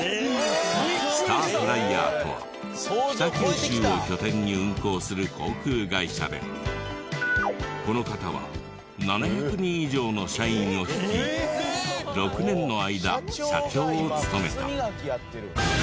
スターフライヤーとは北九州を拠点に運航する航空会社でこの方は７００人以上の社員を率い６年の間社長を務めた。